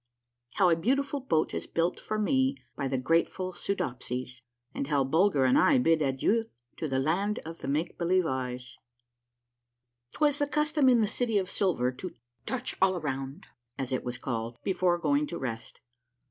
— HOW A BEAUTI FUL BOAT IS BUILT FOR ME BY THE GRATEFUL SOODOPSIES, AND HOW BULGER AND I BID ADIEU TO THE LAND OF THE MAKE BELIEVE EYES. 'Twas the custom in the City of Silver to "touch all around," as it was called, before going to rest.